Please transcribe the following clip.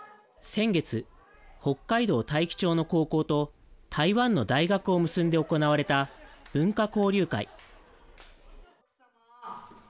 先月、北海道大樹町の高校と台湾の大学を結んで行われた文化交流会。